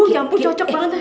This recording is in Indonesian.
wohh ya ampun cocok banget